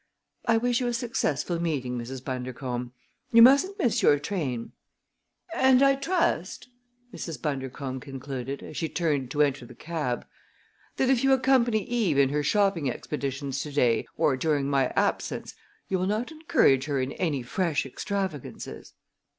"I wish you a successful meeting, Mrs. Bundercombe. You mustn't miss your train!" "And I trust," Mrs. Bundercombe concluded, as she turned to enter the cab, "that if you accompany Eve in her shopping expeditions to day, or during my absence, you will not encourage her in any fresh extravagances."